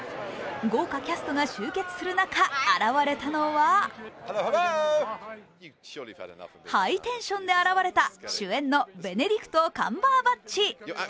豪華キャストが集結する中現れたのはハイテンションで現れた主演のベネディクト・カンバーバッチ。